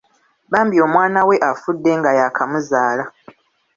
Bambi omwana we afudde nga yakamuzaala.